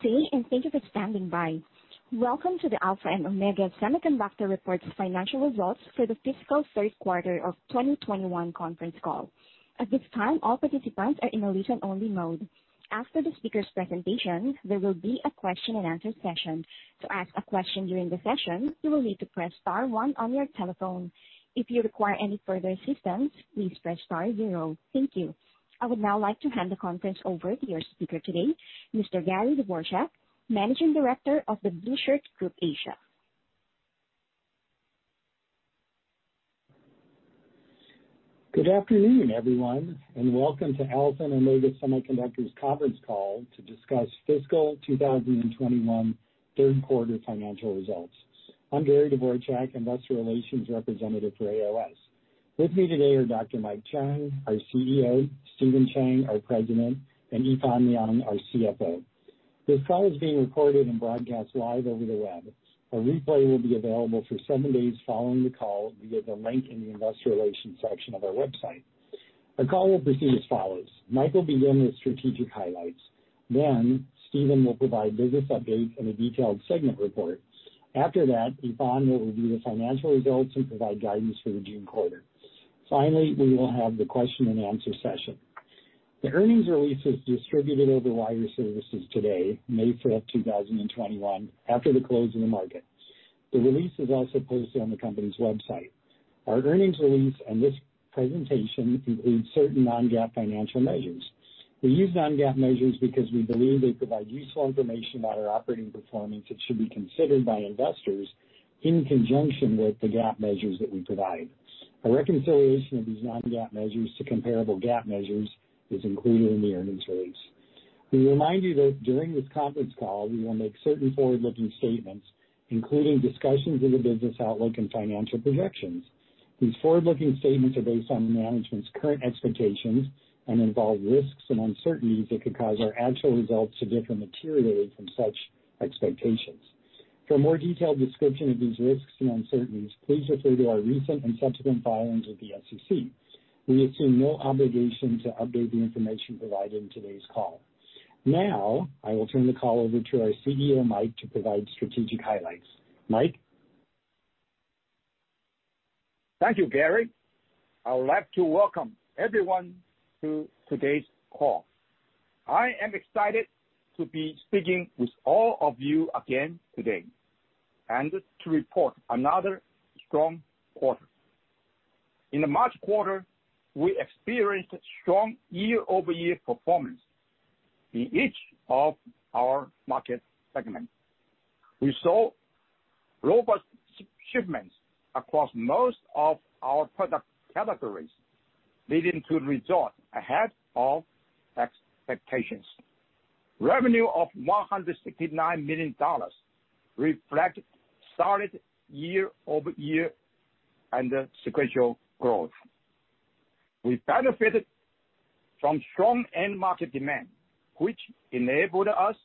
Good day, and thank you for standing by. Welcome to the Alpha and Omega Semiconductor Reports Financial Results for the fiscal third quarter of 2021 conference call. At this time, all participants are in a listen-only mode. After the speakers' presentation, there will be a question-and-answer session. To ask a question during the session, you will need to press star one on your telephone. If you require any further assistance, please press star zero. Thank you. I would now like to hand the conference over to your speaker today, Mr. Gary Dvorchak, Managing Director of The Blueshirt Group Asia. Good afternoon, everyone, and welcome to Alpha and Omega Semiconductor conference call to discuss fiscal 2021 third quarter financial results. I'm Gary Dvorchak, Investor Relations Representative for AOS. With me today are Dr. Mike Chang, our CEO, Stephen Chang, our President, and Yifan Liang, our CFO. This call is being recorded and broadcast live over the web. A replay will be available for seven days following the call via the link in the Investor Relations section of our website. The call will proceed as follows. Mike will begin with strategic highlights. Stephen will provide business updates and a detailed segment report. After that, Yifan will review the financial results and provide guidance for the June quarter. Finally, we will have the question-and-answer session. The earnings release is distributed over wire services today, May 5th, 2021, after the close of the market. The release is also posted on the company's website. Our earnings release and this presentation include certain non-GAAP financial measures. We use non-GAAP measures because we believe they provide useful information about our operating performance that should be considered by investors in conjunction with the GAAP measures that we provide. A reconciliation of these non-GAAP measures to comparable GAAP measures is included in the earnings release. We remind you that during this conference call, we will make certain forward-looking statements, including discussions of the business outlook and financial projections. These forward-looking statements are based on management's current expectations and involve risks and uncertainties that could cause our actual results to differ materially from such expectations. For a more detailed description of these risks and uncertainties, please refer to our recent and subsequent filings with the SEC. We assume no obligation to update the information provided in today's call. Now, I will turn the call over to our CEO, Mike, to provide strategic highlights. Mike? Thank you, Gary. I would like to welcome everyone to today's call. I am excited to be speaking with all of you again today and to report another strong quarter. In the March quarter, we experienced strong year-over-year performance in each of our market segments. We saw robust shipments across most of our product categories, leading to results ahead of expectations. Revenue of $169 million reflect solid year-over-year and sequential growth. We benefited from strong end market demand, which enabled us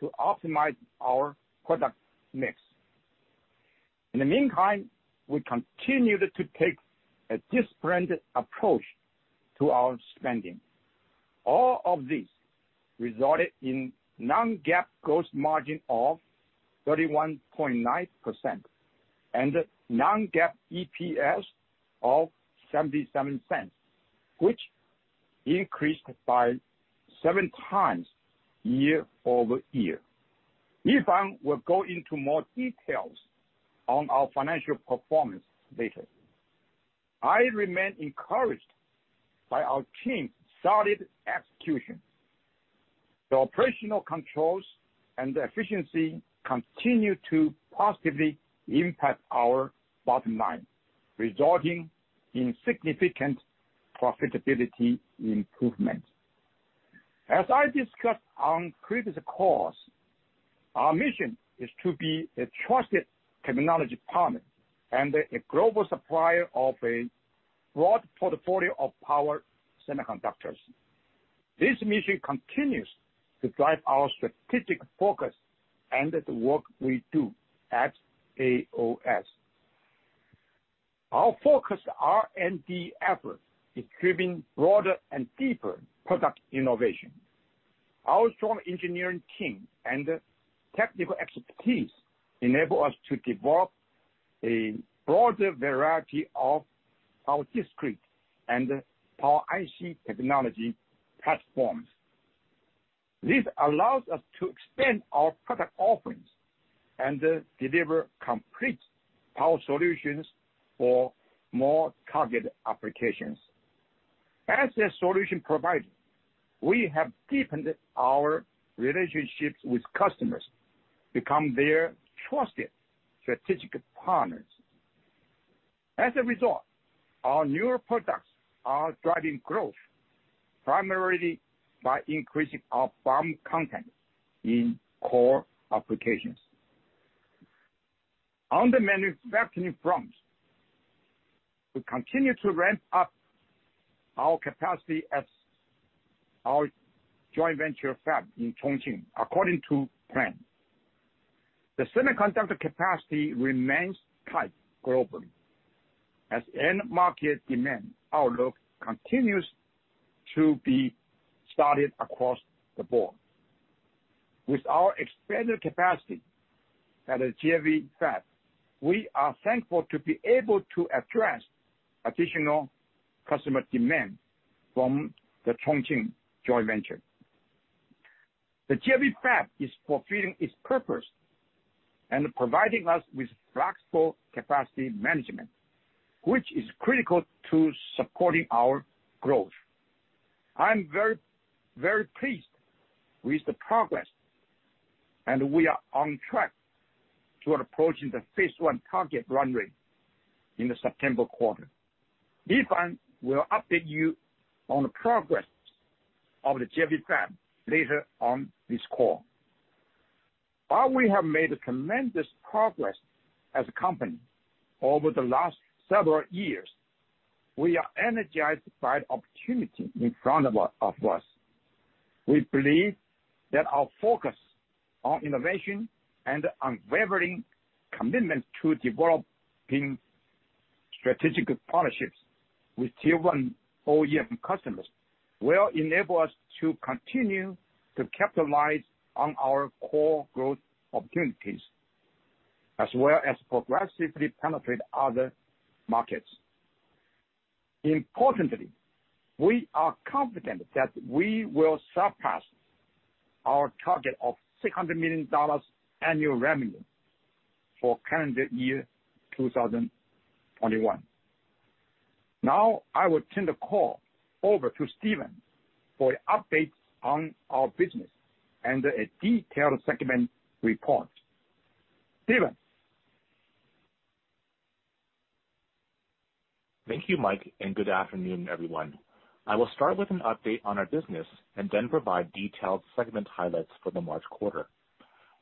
to optimize our product mix. In the meantime, we continued to take a disciplined approach to our spending. All of this resulted in non-GAAP gross margin of 31.9% and non-GAAP EPS of $0.77, which increased by 7x year-over-year. Yifan will go into more details on our financial performance later. I remain encouraged by our team's solid execution. The operational controls and efficiency continue to positively impact our bottom line, resulting in significant profitability improvement. As I discussed on previous calls, our mission is to be a trusted technology partner and a global supplier of a broad portfolio of power semiconductors. This mission continues to drive our strategic focus and the work we do at AOS. Our focused R&D efforts is driven broader and deeper product innovation. Our strong engineering team and technical expertise enable us to develop a broader variety of our discrete and Power IC technology platforms. This allows us to expand our product offerings and deliver complete power solutions for more target applications. As a solution provider, we have deepened our relationships with customers to become their trusted strategic partners. As a result, our newer products are driving growth primarily by increasing our BOM content in core applications. On the manufacturing front, we continue to ramp-up our capacity at our Joint Venture fab in Chongqing according to plan. The semiconductor capacity remains tight globally as end market demand outlook continues to be steady across the board. With our expanded capacity at a JV fab, we are thankful to be able to address additional customer demand from the Chongqing Joint Venture. The JV fab is fulfilling its purpose and providing us with flexible capacity management, which is critical to supporting our growth. I'm very pleased with the progress, and we are on track to approaching the Phase 1 target run-rate in the September quarter. Yifan will update you on the progress of the JV fab later on this call. While we have made tremendous progress as a company over the last several years, we are energized by the opportunity in front of us. We believe that our focus on innovation and unwavering commitment to developing strategic partnerships with Tier 1 OEM customers will enable us to continue to capitalize on our core growth opportunities, as well as progressively penetrate other markets. Importantly, we are confident that we will surpass our target of $600 million annual revenue for calendar year 2021. Now, I will turn the call over to Stephen for updates on our business and a detailed segment report. Stephen? Thank you, Mike. Good afternoon, everyone. I will start with an update on our business and then provide detailed segment highlights for the March quarter.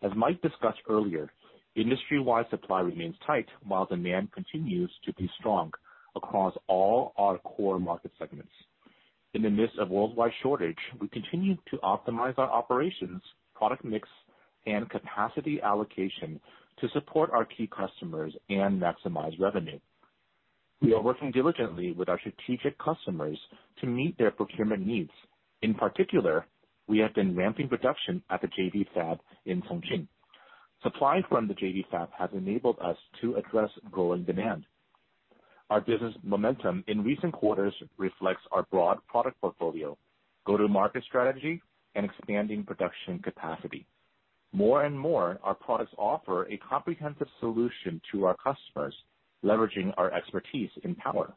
As Mike discussed earlier, industry-wide supply remains tight while demand continues to be strong across all our core market segments. In the midst of worldwide shortage, we continue to optimize our operations, product mix, and capacity allocation to support our key customers and maximize revenue. We are working diligently with our strategic customers to meet their procurement needs. In particular, we have been ramping production at the JV fab in Chongqing. Supply from the JV fab has enabled us to address growing demand. Our business momentum in recent quarters reflects our broad product portfolio, go-to-market strategy, and expanding production capacity. More and more, our products offer a comprehensive solution to our customers, leveraging our expertise in power.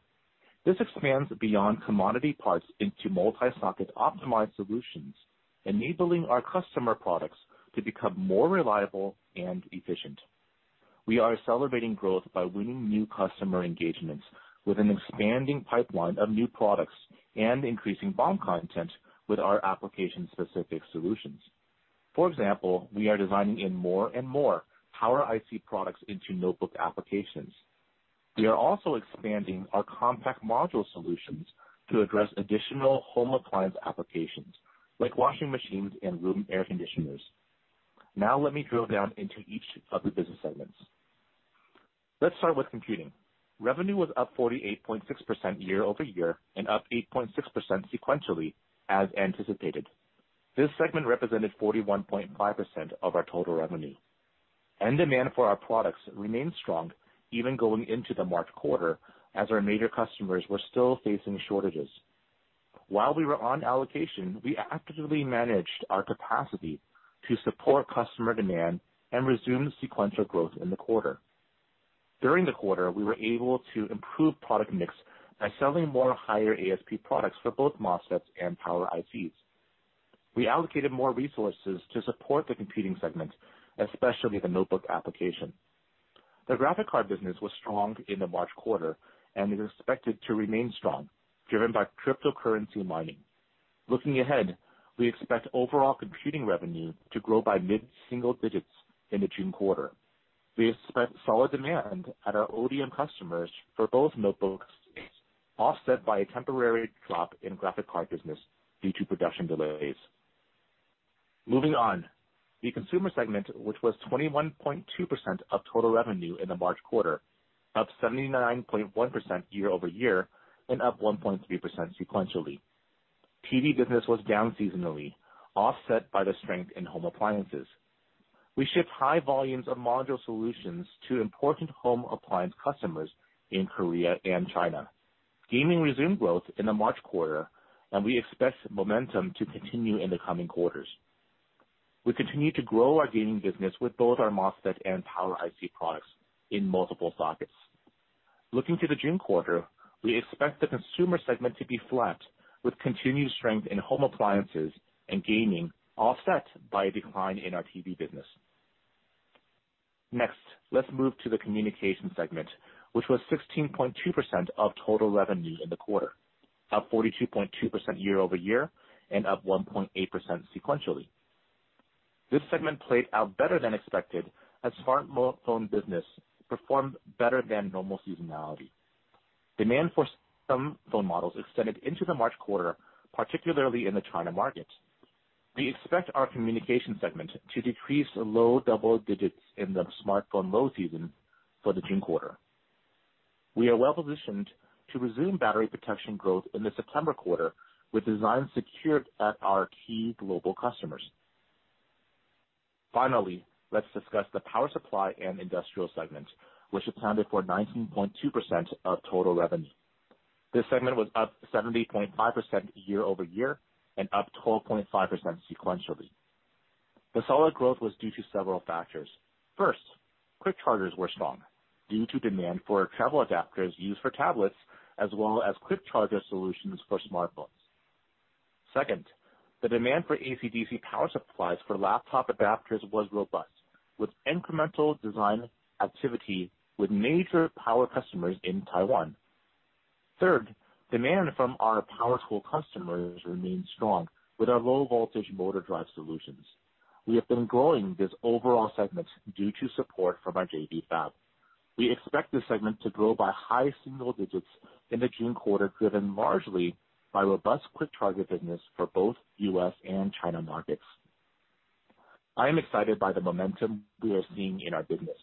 This expands beyond commodity parts into multi-socket optimized solutions, enabling our customer products to become more reliable and efficient. We are accelerating growth by winning new customer engagements with an expanding pipeline of new products and increasing BOM content with our application-specific solutions. For example, we are designing in more and more Power IC products into notebook applications. We are also expanding our compact module solutions to address additional home appliance applications, like washing machines and room air conditioners. Now let me drill down into each of the business segments. Let's start with computing. Revenue was up 48.6% year-over-year and up 8.6% sequentially as anticipated. This segment represented 41.5% of our total revenue. End demand for our products remained strong even going into the March quarter, as our major customers were still facing shortages. While we were on allocation, we actively managed our capacity to support customer demand and resume sequential growth in the quarter. During the quarter, we were able to improve product mix by selling more higher ASP products for both MOSFETs and Power ICs. We allocated more resources to support the computing segment, especially the notebook application. The graphic card business was strong in the March quarter and is expected to remain strong, driven by cryptocurrency mining. Looking ahead, we expect overall computing revenue to grow by mid-single digits in the June quarter. We expect solid demand at our ODM customers for both notebooks, offset by a temporary drop in graphic card business due to production delays. Moving on. The consumer segment, which was 21.2% of total revenue in the March quarter, up 79.1% year-over-year and up 1.3% sequentially. TV business was down seasonally, offset by the strength in home appliances. We shipped high volumes of module solutions to important home appliance customers in Korea and China. Gaming resumed growth in the March quarter, and we expect momentum to continue in the coming quarters. We continue to grow our gaming business with both our MOSFET and Power IC products in multiple sockets. Looking to the June quarter, we expect the Consumer segment to be flat with continued strength in home appliances and gaming, offset by a decline in our TV business. Next, let's move to the Communication segment, which was 16.2% of total revenue in the quarter, up 42.2% year-over-year and up 1.8% sequentially. This segment played out better than expected as smartphone business performed better than normal seasonality. Demand for some phone models extended into the March quarter, particularly in the China market. We expect our Communication segment to decrease low double digits in the smartphone low season for the June quarter. We are well-positioned to resume battery protection growth in the September quarter with design secured at our key global customers. Let's discuss the Power supply and Industrial segments, which accounted for 19.2% of total revenue. This segment was up 70.5% year-over-year and up 12.5% sequentially. The solid growth was due to several factors. First, quick chargers were strong due to demand for travel adapters used for tablets, as well as quick charger solutions for smartphones. Second, the demand for AC/DC power supplies for laptop adapters was robust, with incremental design activity with major power customers in Taiwan. Third, demand from our power tool customers remains strong with our low-voltage motor drive solutions. We have been growing this overall segment due to support from our JV fab. We expect this segment to grow by high single digits in the June quarter, driven largely by robust quick charger business for both U.S. and China markets. I am excited by the momentum we are seeing in our business.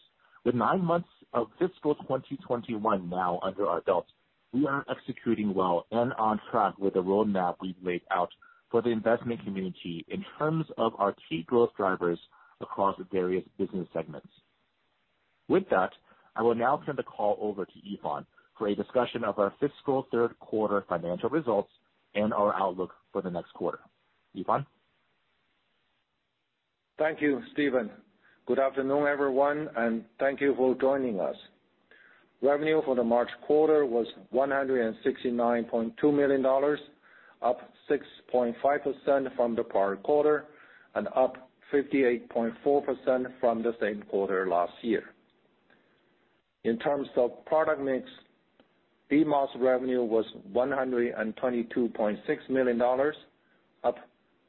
With nine months of fiscal 2021 now under our belt, we are executing well and on track with the roadmap we've laid out for the investment community in terms of our key growth drivers across various business segments. With that, I will now turn the call over to Yifan for a discussion of our fiscal third quarter financial results and our outlook for the next quarter. Yifan? Thank you, Stephen. Good afternoon, everyone, and thank you for joining us. Revenue for the March quarter was $169.2 million, up 6.5% from the prior quarter and up 58.4% from the same quarter last year. In terms of product mix, DMOS revenue was $122.6 million, up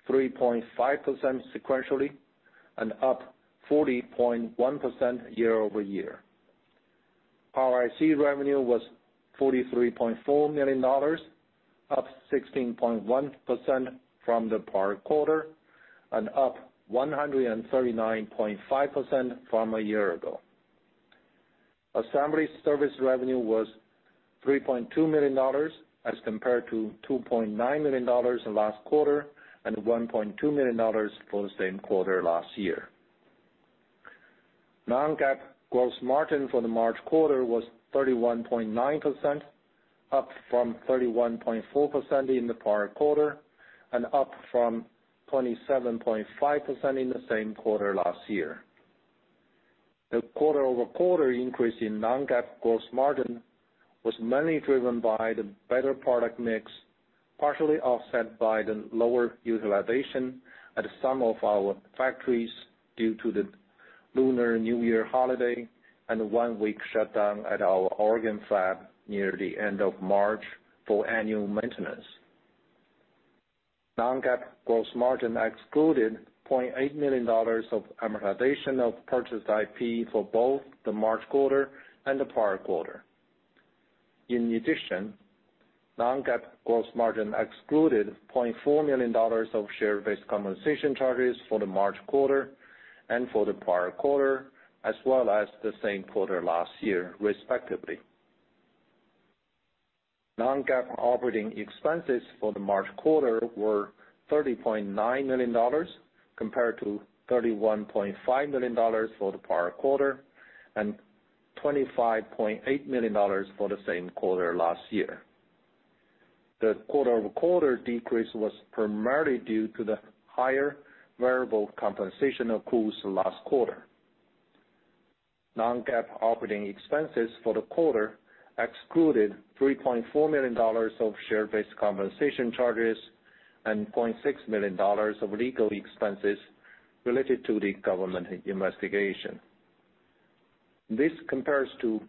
3.5% sequentially and up 40.1% year-over-year. Power IC revenue was $43.4 million, up 16.1% from the prior quarter and up 139.5% from a year ago. Assembly service revenue was $3.2 million as compared to $2.9 million last quarter and $1.2 million for the same quarter last year. Non-GAAP gross margin for the March quarter was 31.9%, up from 31.4% in the prior quarter and up from 27.5% in the same quarter last year. The quarter-over-quarter increase in non-GAAP gross margin was mainly driven by the better product mix, partially offset by the lower utilization at some of our factories due to the Lunar New Year holiday and a one-week shutdown at our Oregon fab near the end of March for annual maintenance. Non-GAAP gross margin excluded $0.8 million of amortization of purchased IP for both the March quarter and the prior quarter. In addition, non-GAAP gross margin excluded $0.4 million of share-based compensation charges for the March quarter and for the prior quarter, as well as the same quarter last year, respectively. Non-GAAP operating expenses for the March quarter were $30.9 million, compared to $31.5 million for the prior quarter and $25.8 million for the same quarter last year. The quarter-over-quarter decrease was primarily due to the higher variable compensation accruals last quarter. Non-GAAP operating expenses for the quarter excluded $3.4 million of share-based compensation charges and $0.6 million of legal expenses related to the government investigation. This compares to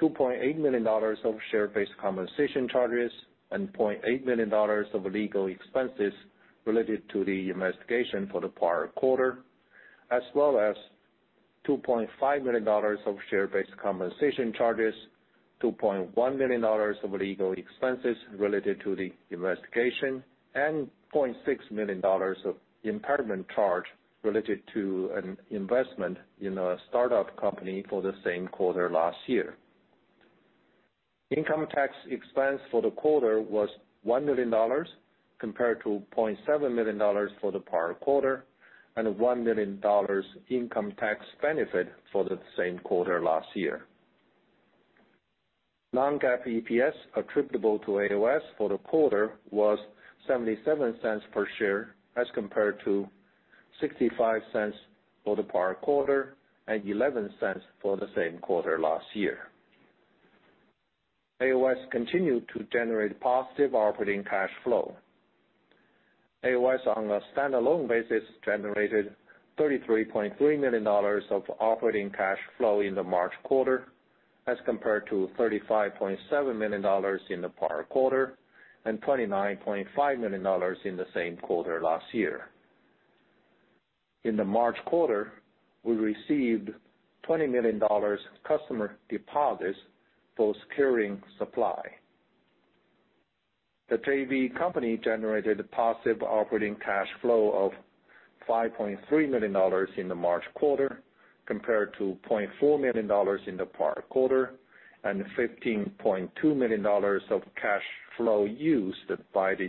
$2.8 million of share-based compensation charges and $0.8 million of legal expenses related to the investigation for the prior quarter, as well as $2.5 million of share-based compensation charges, $2.1 million of legal expenses related to the investigation, and $0.6 million of impairment charge related to an investment in a startup company for the same quarter last year. Income tax expense for the quarter was $1 million, compared to $0.7 million for the prior quarter, and $1 million income tax benefit for the same quarter last year. Non-GAAP EPS attributable to AOS for the quarter was $0.77 per share as compared to $0.65 for the prior quarter and $0.11 for the same quarter last year. AOS continued to generate positive operating cash flow. AOS, on a standalone basis, generated $33.3 million of operating cash flow in the March quarter as compared to $35.7 million in the prior quarter and $29.5 million in the same quarter last year. In the March quarter, we received $20 million customer deposits for securing supply. The JV company generated positive operating cash flow of $5.3 million in the March quarter, compared to $0.4 million in the prior quarter and $15.2 million of cash flow used by the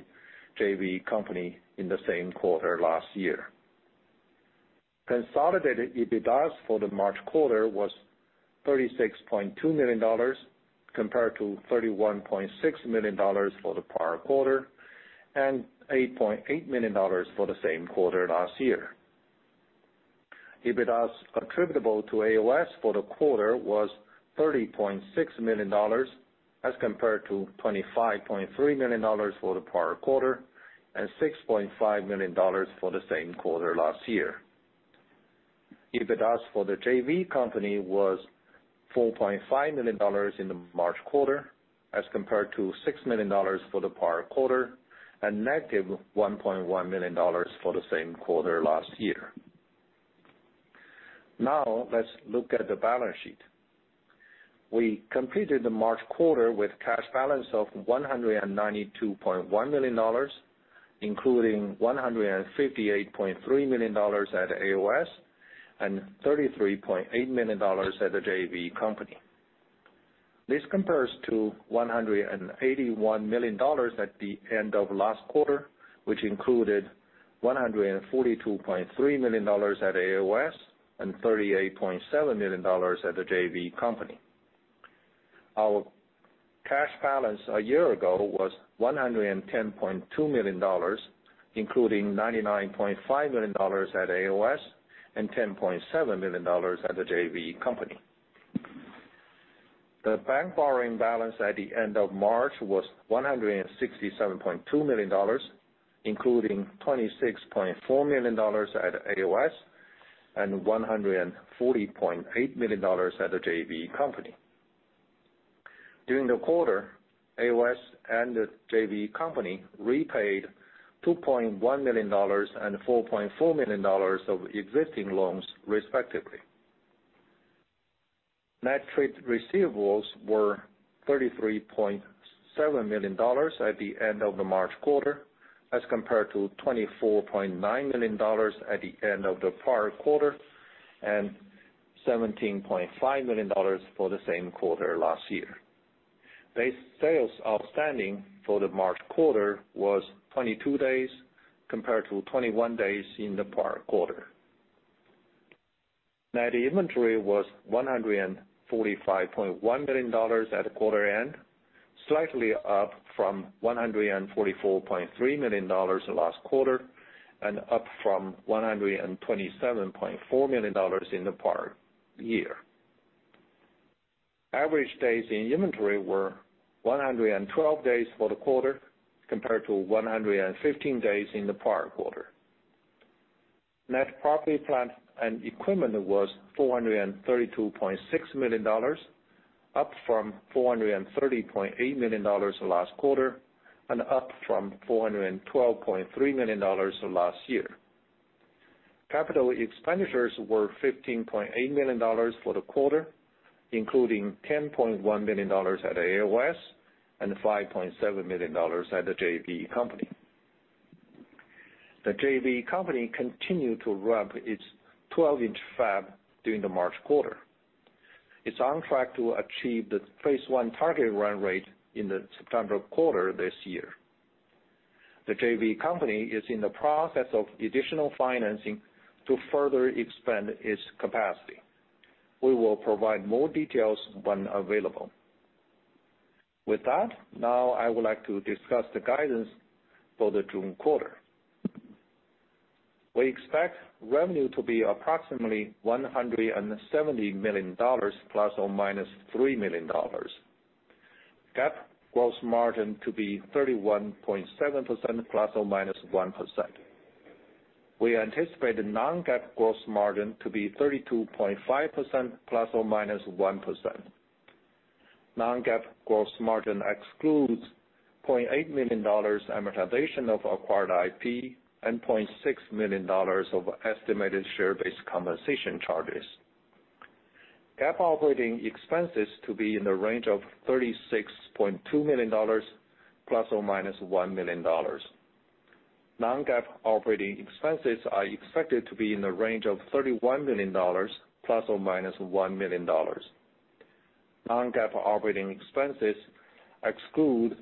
JV company in the same quarter last year. Consolidated EBITDA for the March quarter was $36.2 million, compared to $31.6 million for the prior quarter and $8.8 million for the same quarter last year. EBITDA attributable to AOS for the quarter was $30.6 million, as compared to $25.3 million for the prior quarter and $6.5 million for the same quarter last year. EBITDA for the JV company was $4.5 million in the March quarter, as compared to $6 million for the prior quarter and negative $1.1 million for the same quarter last year. Let's look at the balance sheet. We completed the March quarter with cash balance of $192.1 million, including $158.3 million at AOS and $33.8 million at the JV company. This compares to $181 million at the end of last quarter, which included $142.3 million at AOS and $38.7 million at the JV company. Our cash balance a year ago was $110.2 million, including $99.5 million at AOS and $10.7 million at the JV company. The bank borrowing balance at the end of March was $167.2 million, including $26.4 million at AOS and $140.8 million at the JV company. During the quarter, AOS and the JV company repaid $2.1 million and $4.4 million of existing loans respectively. Net trade receivables were $33.7 million at the end of the March quarter as compared to $24.9 million at the end of the prior quarter and $17.5 million for the same quarter last year. Day sales outstanding for the March quarter was 22 days compared to 21 days in the prior quarter. Net inventory was $145.1 million at quarter end, slightly up from $144.3 million last quarter and up from $127.4 million in the prior year. Average days in inventory were 112 days for the quarter compared to 115 days in the prior quarter. Net property, plant, and equipment was $432.6 million, up from $430.8 million last quarter and up from $412.3 million last year. Capital expenditures were $15.8 million for the quarter, including $10.1 million at AOS and $5.7 million at the JV company. The JV company continued to ramp its 12-inch fab during the March quarter. It's on track to achieve the Phase 1 target run-rate in the September quarter this year. The JV company is in the process of additional financing to further expand its capacity. We will provide more details when available. With that, now I would like to discuss the guidance for the June quarter. We expect revenue to be approximately $170 million ± $3 million. GAAP gross margin to be 31.7% ± 1%. We anticipate non-GAAP gross margin to be 32.5% ± 1%. Non-GAAP gross margin excludes $0.8 million amortization of acquired IP and $0.6 million of estimated share-based compensation charges. GAAP operating expenses to be in the range of $36.2 million ± $1 million. Non-GAAP operating expenses are expected to be in the range of $31 million ± $1 million. Non-GAAP operating expenses exclude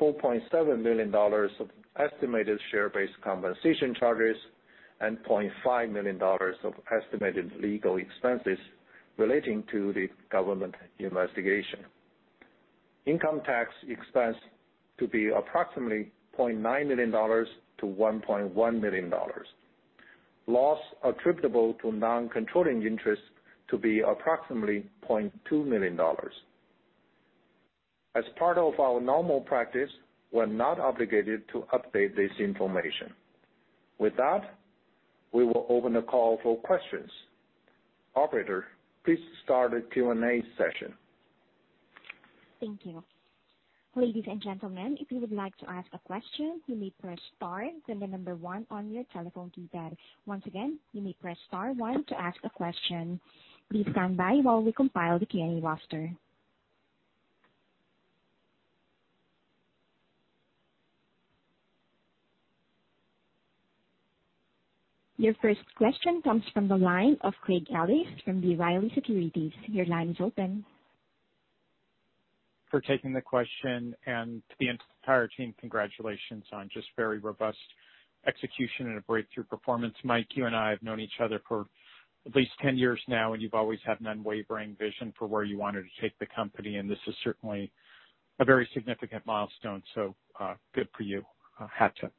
$4.7 million of estimated share-based compensation charges and $0.5 million of estimated legal expenses relating to the government investigation. Income tax expense to be approximately $0.9 million-$1.1 million. Loss attributable to non-controlling interests to be approximately $0.2 million. As part of our normal practice, we're not obligated to update this information. With that, we will open the call for questions. Operator, please start the Q&A session. Thank you. Ladies and gentlemen, if you would like to ask a question, you may press star then the number one on your telephone keypad. Once again, you may press star one to ask a question. Please stand by while we compile the Q&A roster. Your first question comes from the line of Craig Ellis from B. Riley Securities. Your line is open. For taking the question and to the entire team, congratulations on just very robust execution and a breakthrough performance. Mike, you and I have known each other for at least 10 years now, and you've always had an unwavering vision for where you wanted to take the company, and this is certainly a very significant milestone. Good for you. Had to.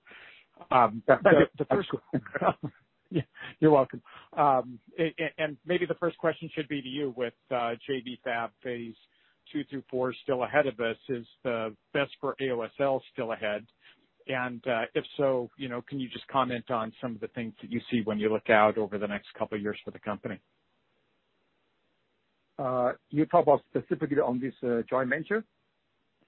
Thank you. You're welcome. Maybe the first question should be to you with, JV fab Phase 2 through 4 still ahead of us, is the best for AOS still ahead? If so, can you just comment on some of the things that you see when you look out over the next couple of years for the company? You talk about specifically on this joint venture?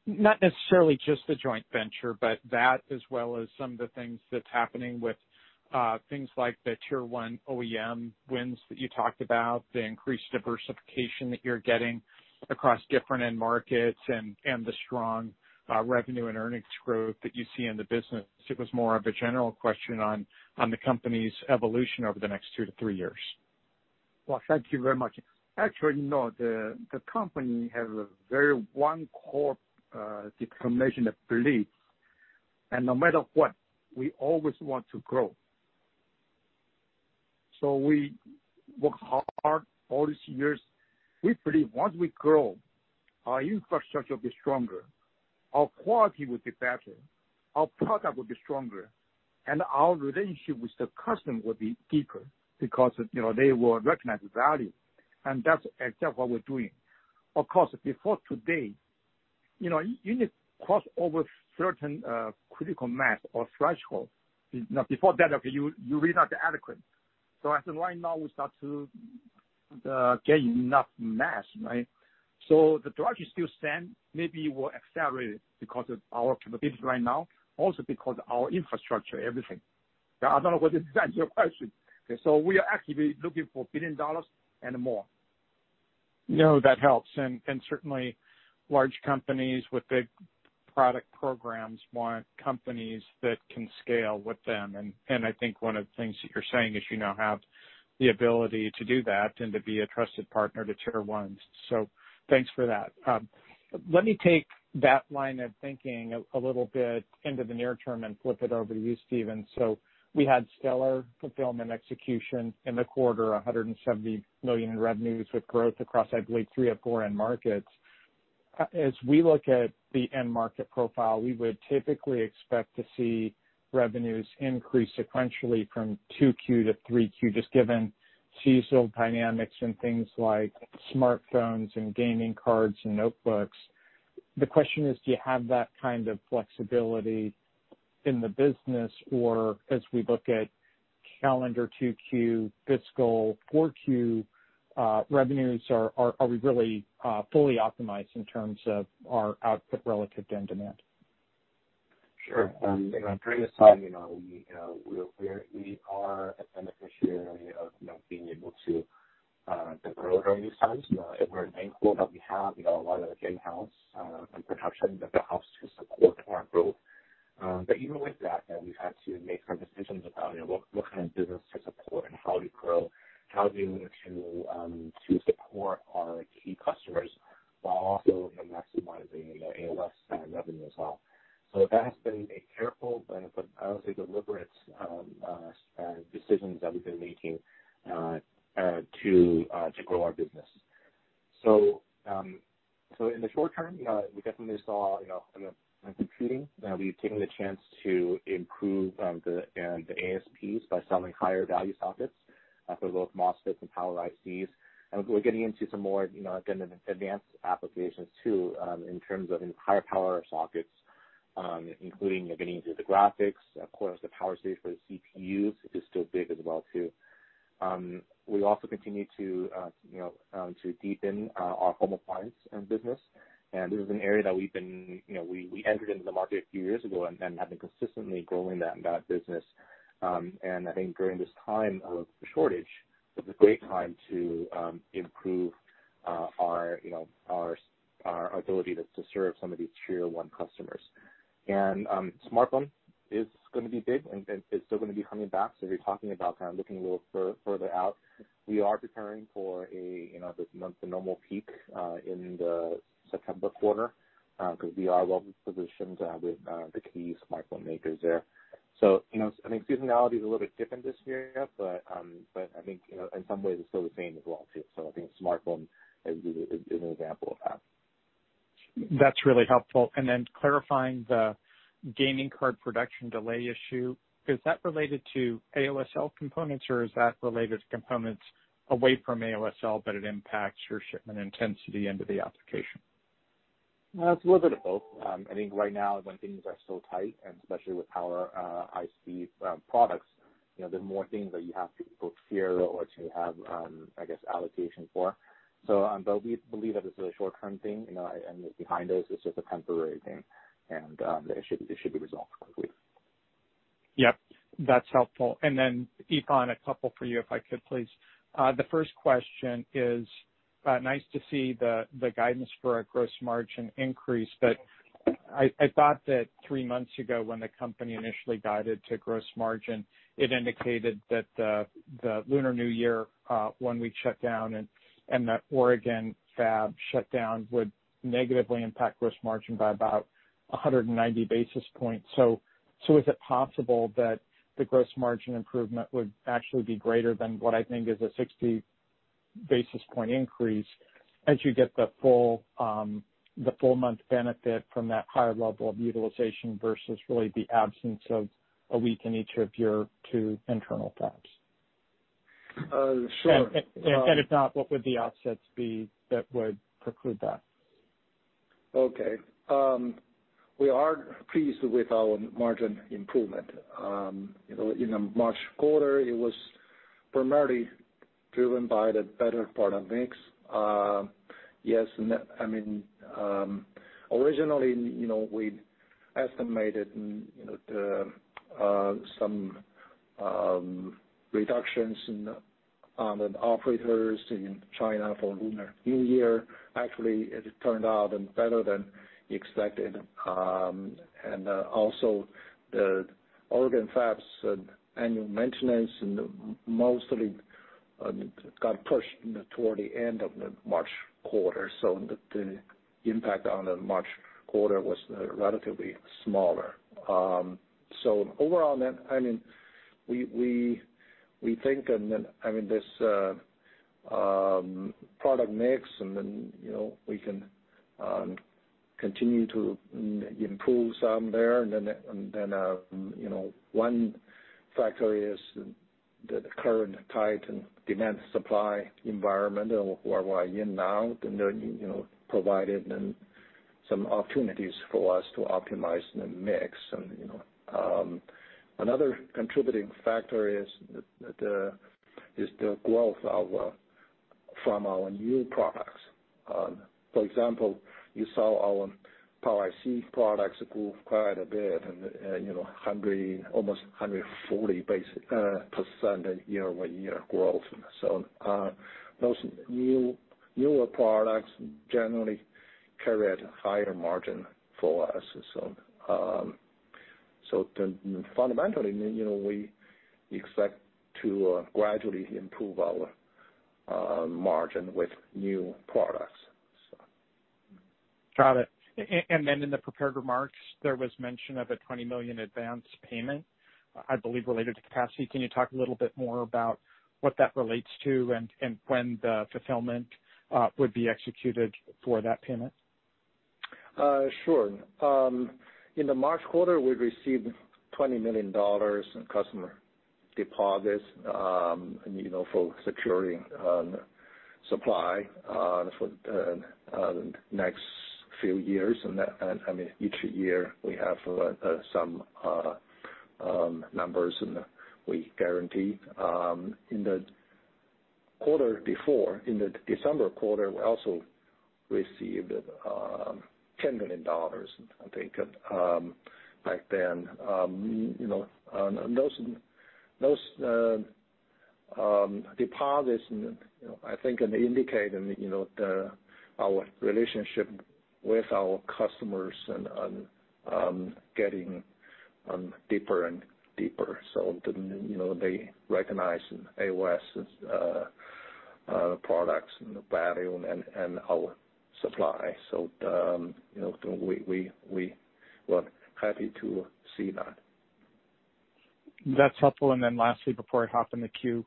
Not necessarily just the joint venture, but that as well as some of the things that's happening with things like the Tier 1 OEM wins that you talked about, the increased diversification that you're getting across different end markets, and the strong revenue and earnings growth that you see in the business. It was more of a general question on the company's evolution over the next two to three years. Well, thank you very much. Actually, no, the company has a very one core determination and belief. No matter what, we always want to grow. We work hard all these years. We believe once we grow, our infrastructure will be stronger, our quality will be better, our product will be stronger, and our relationship with the customer will be deeper because they will recognize the value. That's exactly what we're doing. Of course, before today, you need to cross over a certain critical mass or threshold. Before that, you are really not adequate. I think right now we start to gain enough mass, right? The drive is still the same. Maybe it will accelerate because of our capabilities right now, also because our infrastructure, everything. I don't know whether this answers your question. We are actively looking for billion dollars and more. No, that helps. Certainly large companies with big product programs want companies that can scale with them. I think one of the things that you're saying is you now have the ability to do that and to be a trusted partner to Tier 1s. Thanks for that. Let me take that line of thinking a little bit into the near term and flip it over to you, Stephen. We had stellar fulfillment execution in the quarter, $170 million in revenues with growth across, I believe three of four end markets. As we look at the end market profile, we would typically expect to see revenues increase sequentially from 2Q to 3Q, just given seasonal dynamics and things like smartphones and gaming cards and notebooks. The question is, do you have that kind of flexibility in the business? As we look at calendar 2Q, fiscal 4Q, revenues, are we really fully optimized in terms of our output relative to end demand? Sure. During this time, we are a beneficiary of being able to grow during these times. We're thankful that we have a lot of in-house production that helps to support our growth. Even with that, we've had to make some decisions about what kind of business to support and how to grow, how we want to support our key customers while also maximizing AOS revenue as well. That has been a careful, but I would say deliberate, decisions that we've been making to grow our business. In the short term, we definitely saw in computing, we've taken the chance to improve the ASPs by selling higher value sockets for both MOSFETs and Power ICs. We're getting into some more advanced applications too, in terms of higher power sockets, including getting into the graphics. Of course, the power stage for the CPUs is still big as well too. We also continue to deepen our home appliance business. This is an area that we entered into the market a few years ago and have been consistently growing that business. I think during this time of shortage, it was a great time to improve our ability to serve some of these Tier 1 customers. Smartphone is going to be big, and it's still going to be coming back. If you're talking about kind of looking a little further out, we are preparing for this month, the normal peak, in the September quarter, because we are well-positioned with the key smartphone makers there. I think seasonality is a little bit different this year, but I think in some ways it's still the same as well too. I think smartphone is an example of that. That's really helpful. Clarifying the gaming card production delay issue, is that related to AOS components, or is that related to components away from AOS, but it impacts your shipment intensity into the application? It's a little bit of both. I think right now, when things are so tight, especially with Power IC products. There are more things that you have to or to have, I guess, allocation for. We believe that this is a short-term thing, and behind this, it's just a temporary thing, and that it should be resolved quickly. Yep. That's helpful. Yifan, a couple for you, if I could, please. The first question is, nice to see the guidance for a gross margin increase. I thought that three months ago, when the company initially guided to gross margin, it indicated that the Lunar New Year, one week shutdown, and the Oregon fab shutdown would negatively impact gross margin by about 190 basis points. Is it possible that the gross margin improvement would actually be greater than what I think is a 60 basis point increase as you get the full month benefit from that higher level of utilization versus really the absence of a week in each of your two internal fabs? Sure. If not, what would the offsets be that would preclude that? Okay. We are pleased with our margin improvement. In the March quarter, it was primarily driven by the better product mix. Yes, originally, we estimated some reductions in the operators in China for Lunar New Year. Actually, it turned out better than expected. Also, the Oregon fab's annual maintenance mostly got pushed toward the end of the March quarter, so the impact on the March quarter was relatively smaller. Overall, we think this product mix, and then we can continue to improve some there. One factor is the current tight demand supply environment where we are in now, provided some opportunities for us to optimize the mix. Another contributing factor is the growth from our new products. For example, you saw our Power IC products grew quite a bit, almost 140% year-over-year growth. Those newer products generally carried a higher margin for us. Fundamentally, we expect to gradually improve our margin with new products. Got it. In the prepared remarks, there was mention of a $20 million advance payment, I believe, related to capacity. Can you talk a little bit more about what that relates to and when the fulfillment would be executed for that payment? Sure. In the March quarter, we received $20 million in customer deposits for securing supply for the next few years. Each year we have some numbers, and we guarantee. In the quarter before, in the December quarter, we also received $10 million, I think, back then. Those deposits, I think indicate our relationship with our customers getting deeper and deeper. They recognize AOS' products value and our supply. We were happy to see that. That's helpful. Lastly, before I hop in the queue.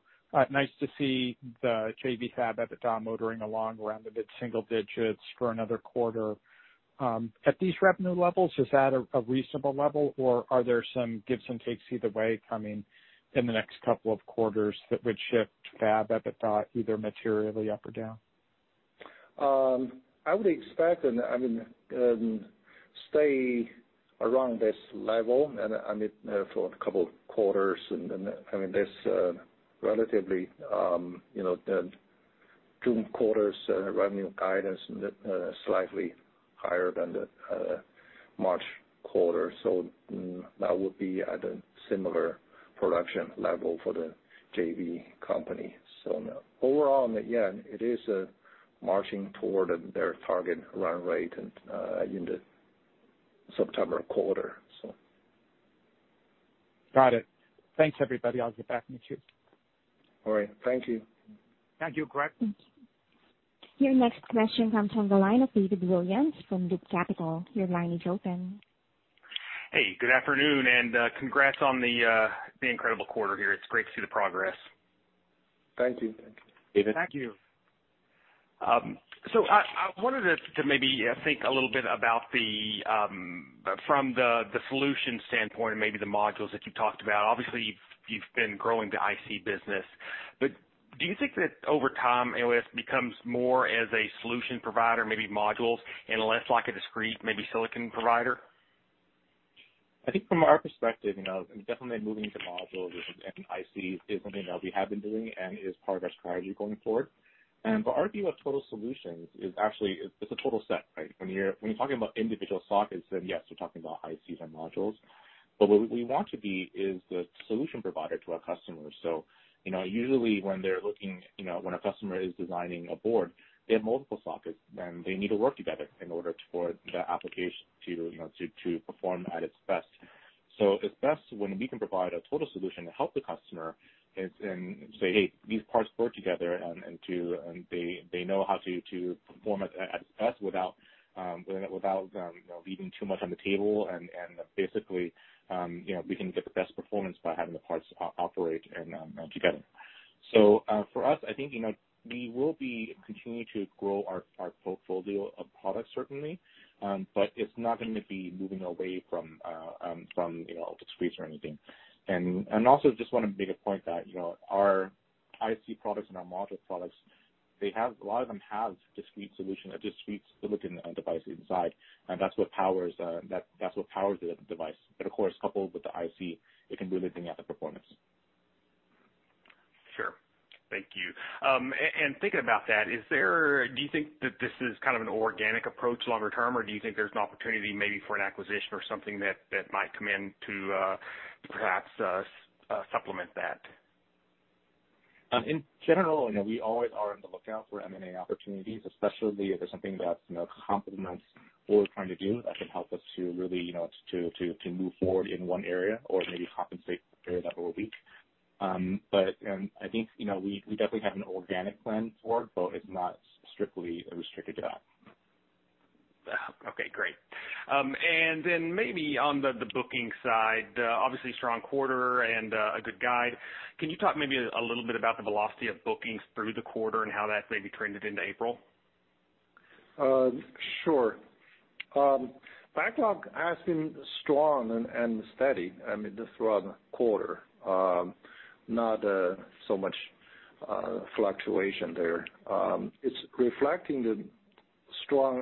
Nice to see the JV fab EBITDA motoring along around the mid-single digits for another quarter. At these revenue levels, is that a reasonable level, or are there some gives and takes either way coming in the next couple of quarters that would shift fab EBITDA either materially up or down? I would expect it stay around this level for a couple of quarters. This relatively, the June quarter's revenue guidance is slightly higher than the March quarter. That would be at a similar production level for the JV company. Overall, yeah, it is marching toward their target run-rate in the September quarter. Got it. Thanks, everybody. I'll get back in the queue. All right. Thank you. Thank you, Craig. Your next question comes on the line of David Williams from Loop Capital. Your line is open. Hey, good afternoon, and congrats on the incredible quarter here. It's great to see the progress. Thank you, David. Thank you. I wanted to maybe think a little bit about from the solutions standpoint and maybe the modules that you talked about. Obviously, you've been growing the IC business. Do you think that over time, AOS becomes more as a solution provider, maybe modules, and less like a discrete, maybe silicon provider? I think from our perspective, definitely moving into modules and IC is something that we have been doing and is part of our strategy going forward. Our view of total solutions is actually, it's a total set, right? When you're talking about individual sockets, yes, we're talking about ICs and modules. What we want to be is the solution provider to our customers. Usually when a customer is designing a board, they have multiple sockets, and they need to work together in order for the application to perform at its best. It's best when we can provide a total solution to help the customer and say, hey, these parts work together, and they know how to perform at its best without leaving too much on the table. Basically, we can get the best performance by having the parts operate together. For us, I think we will be continuing to grow our portfolio of products, certainly. It's not going to be moving away from discrete or anything. Also just want to make a point that our IC products and our module products, a lot of them have discrete solution, a discrete silicon device inside. That's what powers the device. Of course, coupled with the IC, it can really bring out the performance. Sure. Thank you. Thinking about that, do you think that this is kind of an organic approach longer term, or do you think there's an opportunity maybe for an acquisition or something that might come in to perhaps supplement that? In general, we always are on the lookout for M&A opportunities, especially if there's something that complements what we're trying to do that can help us to really move forward in one area or maybe compensate for an area that we're weak. I think we definitely have an organic plan for it, but it's not strictly restricted to that. Okay, great. Then maybe on the booking side, obviously strong quarter and a good guide. Can you talk maybe a little bit about the velocity of bookings through the quarter and how that maybe trended into April? Sure. Backlog has been strong and steady, I mean, throughout the quarter. Not so much fluctuation there. It's reflecting the strong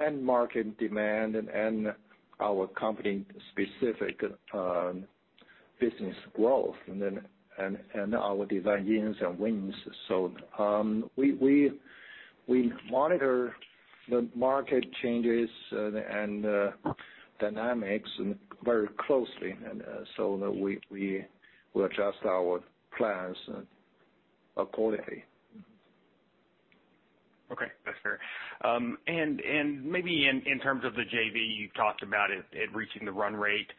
end market demand and our company specific business growth and our design wins. We monitor the market changes and dynamics very closely, and so we adjust our plans accordingly. Okay, that's fair. Maybe in terms of the JV, you talked about it reaching the run rate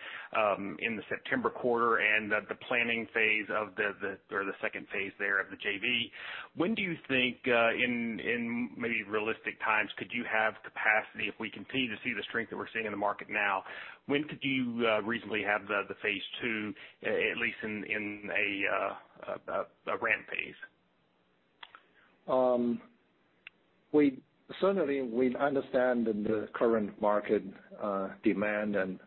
in the September quarter and the planning phase, or the second phase there of the JV. When do you think, in maybe realistic times, could you have capacity if we continue to see the strength that we're seeing in the market now, when could you reasonably have the Phase 2, at least in a ramp phase? Certainly, we understand the current market demand and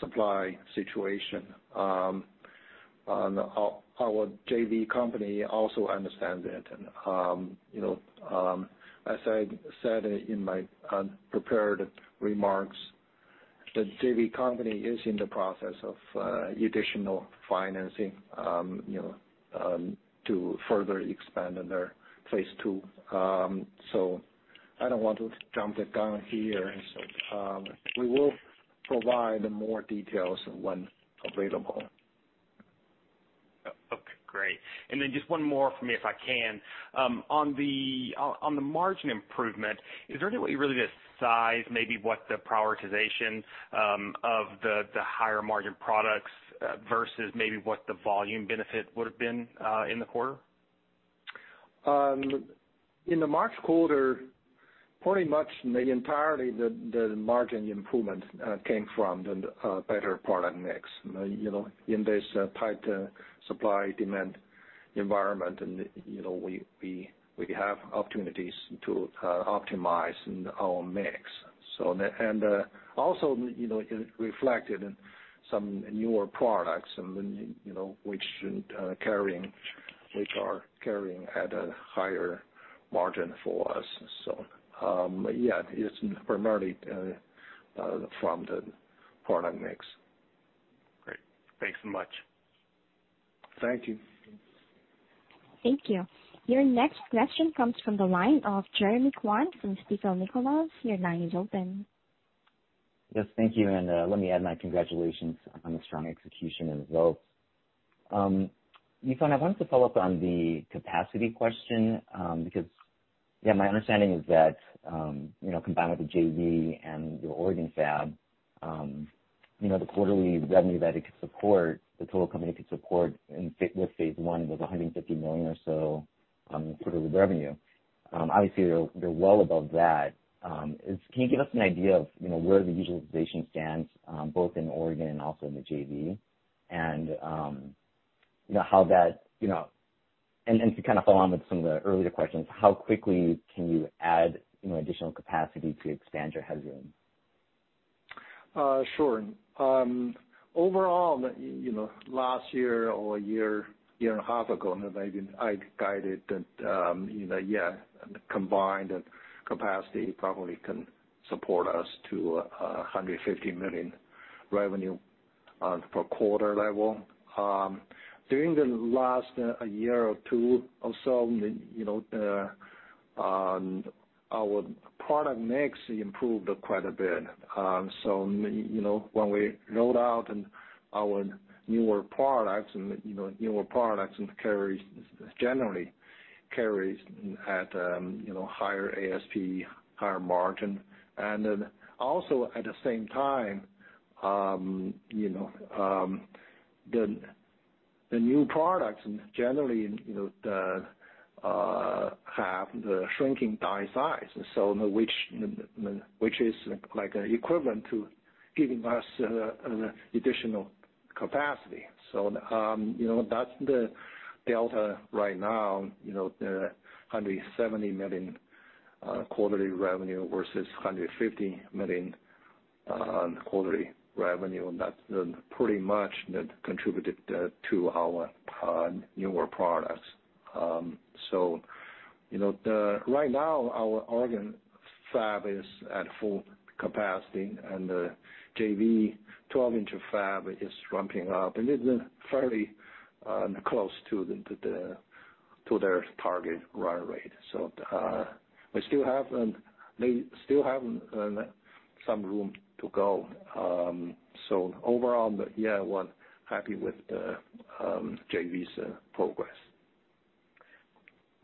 supply situation. Our JV company also understands it, and as I said in my prepared remarks, the JV company is in the process of additional financing to further expand on their Phase 2. I don't want to jump the gun here. We will provide more details when available. Okay, great. Just one more from me, if I can. On the margin improvement, is there any way you really could size maybe what the prioritization of the higher margin products versus maybe what the volume benefit would've been in the quarter? In the March quarter, pretty much the entirety the margin improvement came from the better product mix. In this tight supply demand environment, we have opportunities to optimize our mix. It reflected in some newer products, which are carrying at a higher margin for us. Yeah, it's primarily from the product mix. Great. Thanks so much. Thank you. Thank you. Your next question comes from the line of Jeremy Kwan from Stifel Nicolaus. Your line is open. Yes, thank you. Let me add my congratulations on the strong execution and results. Yifan, I wanted to follow up on the capacity question, because, yeah, my understanding is that, combined with the JV and your Oregon fab, the quarterly revenue that it could support, the total company could support with Phase 1 was $150 million or so quarterly revenue. Obviously you're well above that. Can you give us an idea of where the utilization stands, both in Oregon and also in the JV? To kind of follow on with some of the earlier questions, how quickly can you add additional capacity to expand your headroom? Sure. Overall, last year or a year and a half ago, I guided that, yeah, the combined capacity probably can support us to $150 million revenue on per quarter level. During the last year or two or so, our product mix improved quite a bit. When we rolled out our newer products, and newer products generally carries a higher ASP, higher margin. Also, at the same time, the new products generally have the shrinking die size, which is equivalent to giving us additional capacity. That's the delta right now, the $170 million quarterly revenue versus $150 million on quarterly revenue. That pretty much contributed to our newer products. Right now, our Oregon fab is at full capacity, and the JV 12-inch fab is ramping-up, and it's fairly close to their target run-rate. They still have some room to go. Overall, yeah, we're happy with the JV's progress.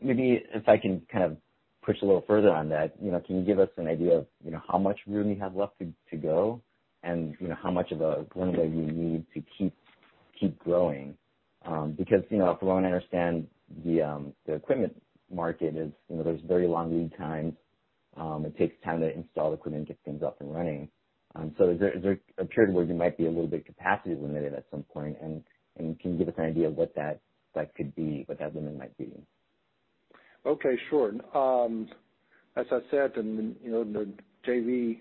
Maybe if I can push a little further on that. Can you give us an idea of how much room you have left to go and how much of a runway you need to keep growing? Because if we understand the equipment market, there are very long lead times. It takes time to install equipment, get things up and running. So is there a period where you might be a little bit capacity limited at some point, and can you give us an idea of what that could be, what that limit might be? Okay, sure. As I said, the JV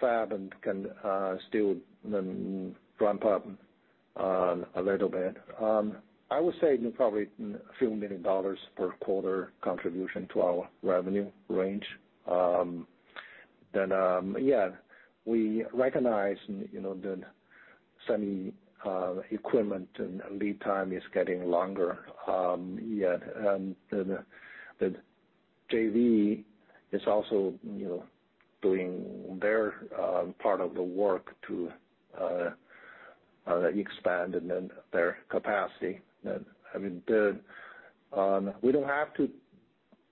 fab can still ramp-up a little bit. I would say probably a few million dollars per quarter contribution to our revenue range. We recognize the semi equipment and lead time is getting longer. The JV is also doing their part of the work to expand their capacity. We don't have to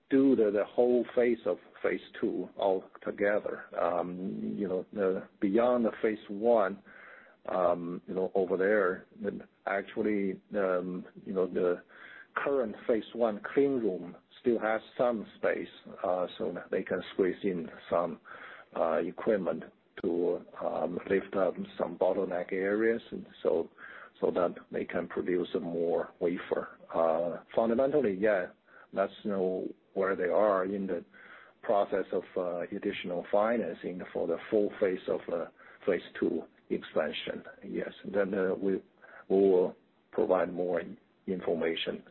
do the whole phase of Phase 2 altogether. Beyond the Phase 1 over there, actually, the current Phase 1 clean room still has some space, so they can squeeze in some equipment to lift up some bottleneck areas so that they can produce more wafer. Fundamentally, let's know where they are in the process of additional financing for the full phase of Phase 2 expansion. We will provide more information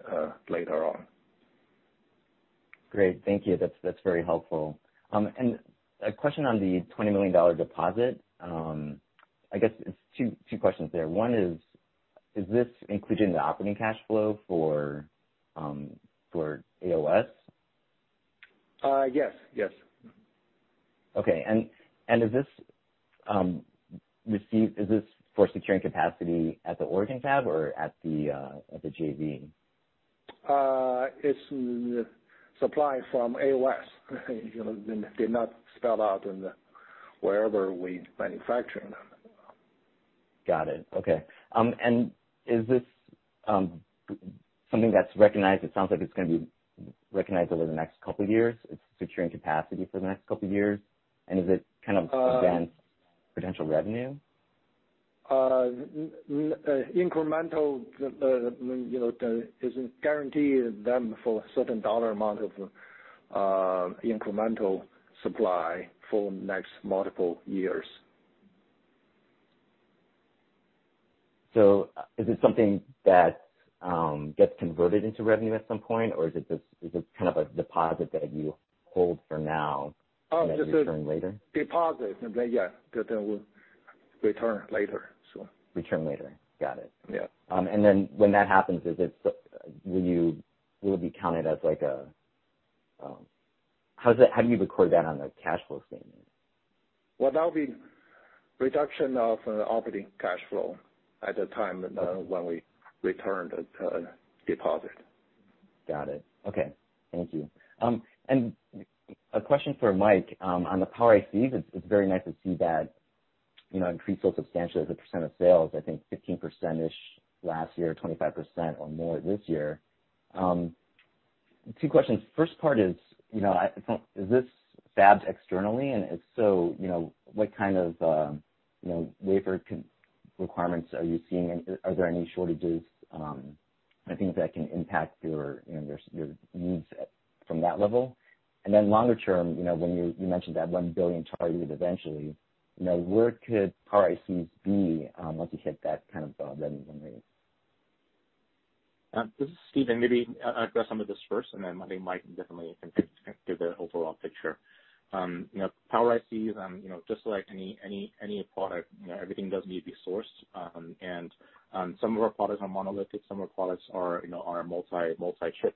later on. Great. Thank you. That's very helpful. A question on the $20 million deposit. I guess it's two questions there. One is this included in the operating cash flow for AOS? Yes. Okay. Is this for securing capacity at the Oregon fab or at the JV? It's supply from AOS. They did not spell out in wherever we manufacturing. Got it. Okay. Is this something that's recognized? It sounds like it's going to be recognized over the next couple of years. It's securing capacity for the next couple of years. Is it kind of advanced potential revenue? Incremental isn't guaranteed them for a certain dollar amount of incremental supply for next multiple years. Is it something that gets converted into revenue at some point, or is it just kind of a deposit that you hold for now and then return later? Oh, just a deposit, and then, yeah. That will return later. Return later. Got it. Yeah. When that happens, how do you record that on the cash flow statement? Well, that will be reduction of operating cash flow at the time when we return the deposit. Got it. Okay. Thank you. A question for Mike on the Power ICs. It's very nice to see that increase so substantially as a percent of sales, I think 15%-ish last year, 25% or more this year. Two questions. First part is this fabbed externally? If so, what kind of wafer requirements are you seeing, and are there any shortages? I think that can impact your needs from that level. Longer term, when you mentioned that $1 billion target eventually, where could Power ICs be once you hit that kind of revenue run-rate? This is Stephen. Maybe I'll address some of this first, then Mike definitely can give the overall picture. Power ICs, just like any product, everything does need to be sourced. Some of our products are monolithic, some of our products are multi-chip,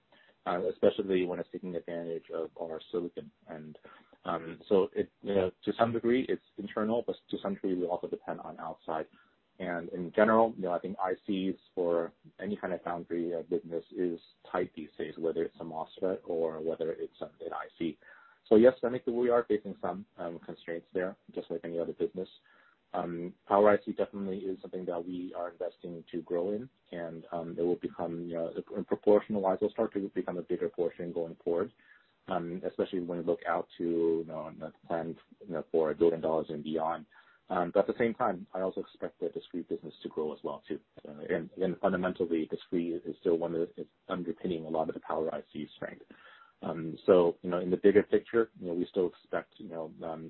especially when it's taking advantage of our silicon. To some degree, it's internal, but to some degree, we also depend on outside. In general, I think ICs for any kind of foundry business is tight these days, whether it's an MOSFET or whether it's an IC. Yes, I think that we are facing some constraints there, just like any other business. Power IC definitely is something that we are investing to grow in, proportional-wise, it will start to become a bigger portion going forward, especially when you look out to plan for $1 billion and beyond. At the same time, I also expect the discrete business to grow as well, too. Fundamentally, discrete is still underpinning a lot of the Power IC strength. In the bigger picture, we still expect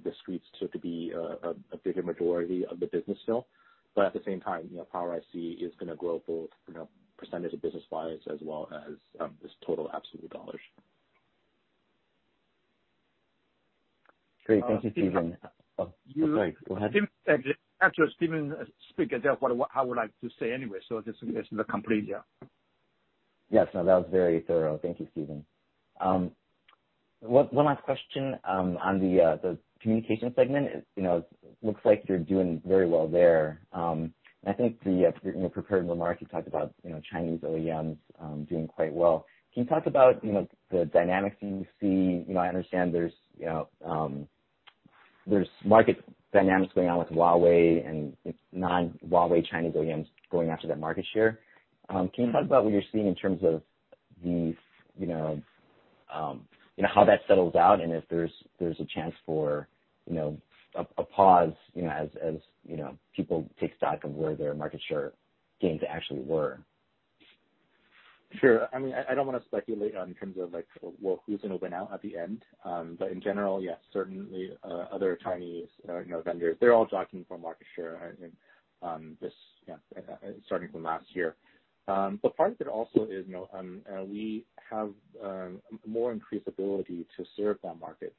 discrete to be a bigger majority of the business still. At the same time, Power IC is going to grow both percentage of business-wise as well as just total absolute dollars. Great. Thank you, Stephen. Oh, sorry, go ahead. Actually, Stephen speak what I would like to say anyway, this is the complete, yeah. Yes. No, that was very thorough. Thank you, Stephen. One last question on the communication segment. Looks like you're doing very well there. I think the prepared remarks, you talked about Chinese OEMs doing quite well. Can you talk about the dynamics that you see? I understand there's market dynamics going on with Huawei and non-Huawei Chinese OEMs going after that market share. Can you talk about what you're seeing in terms of how that settles out and if there's a chance for a pause as people take stock of where their market share gains actually were? Sure. I don't want to speculate in terms of who's going to win out at the end, but in general, yes, certainly other Chinese vendors, they're all jockeying for market share starting from last year. Part of it also is, we have more increased ability to serve that market.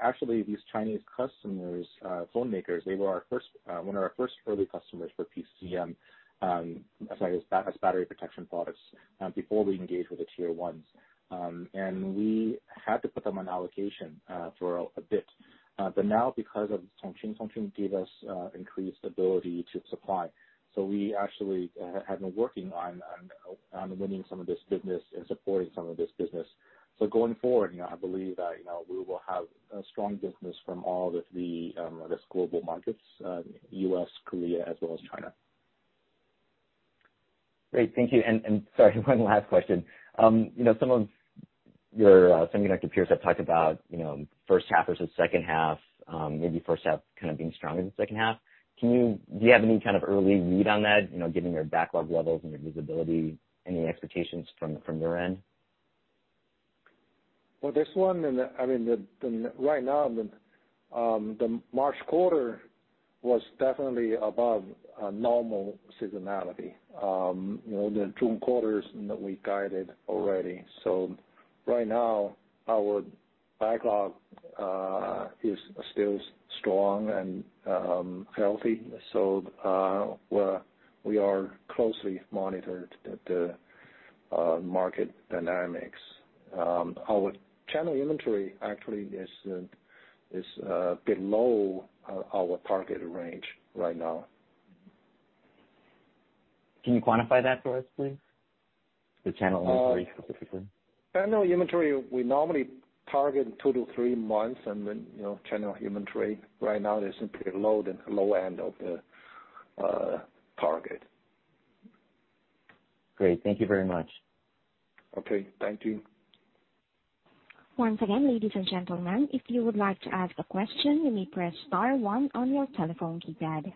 Actually, these Chinese customers, phone makers, they were one of our first early customers for PCM, sorry, as battery protection products, before we engaged with the Tier 1s. We had to put them on allocation for a bit. Now because of Chongqing gave us increased ability to supply. We actually have been working on winning some of this business and supporting some of this business. Going forward, I believe that we will have a strong business from all of the global markets, U.S., Korea, as well as China. Great. Thank you. Sorry, one last question. Some of your semiconductor peers have talked about first half versus second half, maybe first half being stronger than second half. Do you have any kind of early read on that, given your backlog levels and your visibility? Any expectations from your end? Well, this one, right now, the March quarter was definitely above normal seasonality. The June quarters we guided already. Right now, our backlog is still strong and healthy. We are closely monitoring the market dynamics. Our channel inventory actually is below our target range right now. Can you quantify that for us, please? The channel inventory specifically. Channel inventory, we normally target two to three months on the channel inventory. Right now, they're simply low end of the target. Great. Thank you very much. Okay. Thank you. Once again, ladies and gentlemen, if you would like to ask a question, you may press star one on your telephone keypad.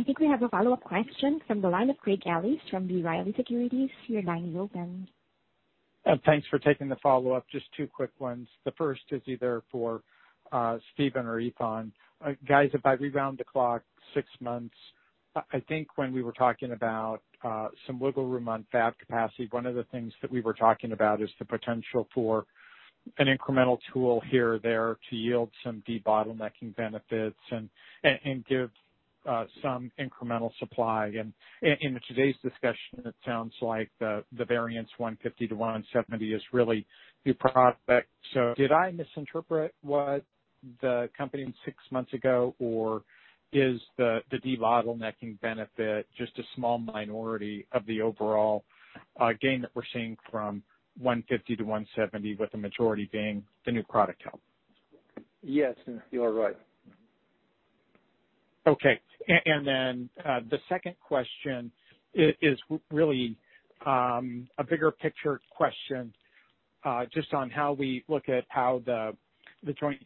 I think we have a follow-up question from the line of Craig Ellis from B. Riley Securities. Your line is open. Thanks for taking the follow-up. Just two quick ones. The first is either for Stephen or Yifan. Guys, if I rewind the clock six months, I mean when we were talking about some wiggle room on fab capacity, one of the things that we were talking about is the potential for an incremental tool here or there to yield some debottlenecking benefits and give some incremental supply. In today's discussion, it sounds like the variance $150 million- $170 million is really new product. Did I misinterpret what the company six months ago, or is the debottlenecking benefit just a small minority of the overall gain that we're seeing from $150 million-$170 million, with the majority being the new product help? Yes. You are right. Then the second question is really a bigger picture question just on how we look at how the JV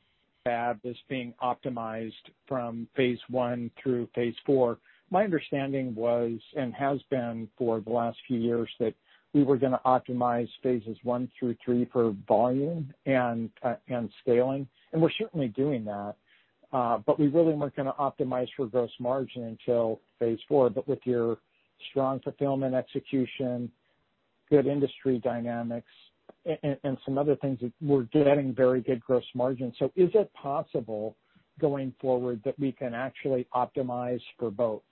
fab is being optimized from Phase 1 through Phase 4. My understanding was, and has been for the last few years, that we were going to optimize Phases 1 through 3 for volume and scaling, and we're certainly doing that. We really weren't going to optimize for gross margin until Phase 4. With your strong fulfillment execution, good industry dynamics, and some other things, that we're getting very good gross margin. Is it possible, going forward, that we can actually optimize for both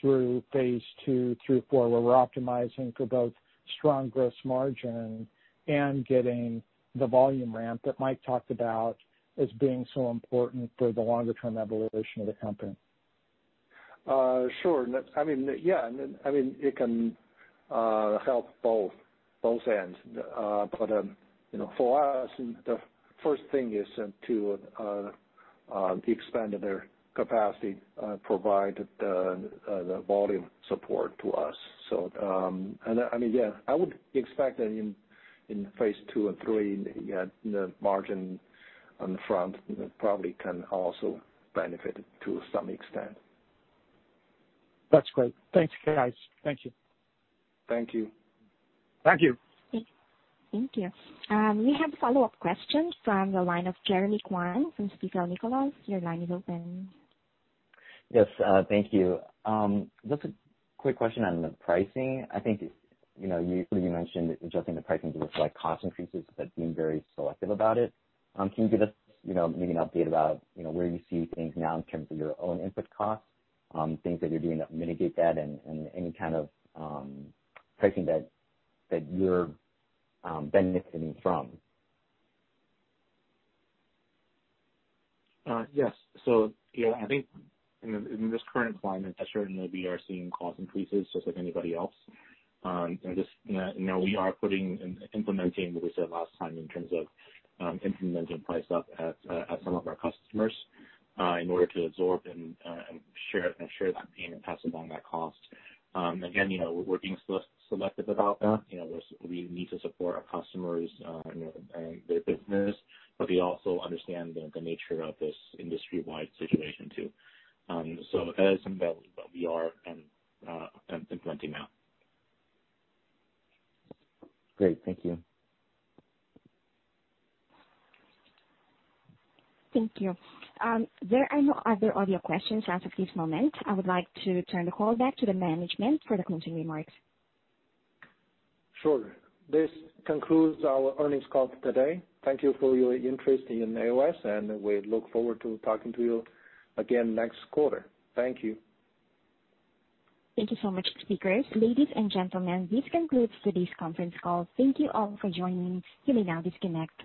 through Phase 2 through 4, where we're optimizing for both strong gross margin and getting the volume ramp that Mike talked about as being so important for the longer-term evolution of the company? Sure. It can help both ends. For us, the first thing is to the expanded capacity provide the volume support to us. I would expect that in Phase 2 and 3, the margin on the front probably can also benefit to some extent. That's great. Thanks, guys. Thank you. Thank you. Thank you. Thank you. We have a follow-up question from the line of Jeremy Kwan from Stifel. Your line is open. Yes. Thank you. Just a quick question on the pricing. I think you mentioned adjusting the pricing to reflect cost increases, but being very selective about it. Can you give us maybe an update about where you see things now in terms of your own input costs, things that you're doing to mitigate that, and any kind of pricing that you're benefiting from? Yes. I think in this current environment, certainly we are seeing cost increases just like anybody else. We are implementing what we said last time in terms of implementing price up at some of our customers in order to absorb and share that pain and pass along that cost. Again, we're being selective about that. We need to support our customers and their business, but we also understand the nature of this industry-wide situation too. That is where we are and implementing now. Great. Thank you. Thank you. There are no other audio questions as of this moment. I would like to turn the call back to the management for the closing remarks. Sure. This concludes our earnings call for today. Thank you for your interest in AOS, and we look forward to talking to you again next quarter. Thank you. Thank you so much, speakers. Ladies and gentlemen, this concludes today's conference call. Thank you all for joining. You may now disconnect.